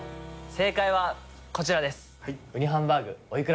正解はこちらです。